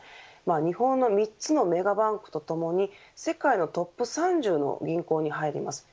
日本の３つのメガバンクとともに世界のトップ３０の銀行に入ります。